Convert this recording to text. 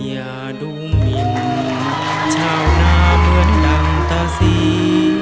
อย่าดูมินชาวนาเหมือนดังตาสี